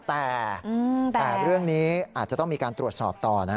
แต่เรื่องนี้อาจจะต้องมีการตรวจสอบต่อนะ